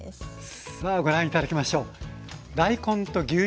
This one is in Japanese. さあご覧頂きましょう。